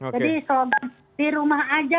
jadi di rumah saja